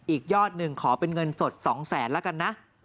อีกยอดหนึ่งขอเป็นเงินสด๒แสนแล้วกันนะ